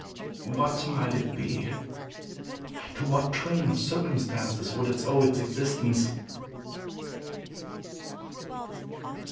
What might it be? To what train of circumstances would it owe its existence?